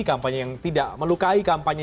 kampanye yang tidak melukai